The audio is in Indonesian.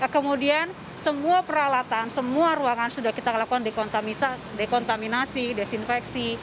kemudian semua peralatan semua ruangan sudah kita lakukan dekontaminasi desinfeksi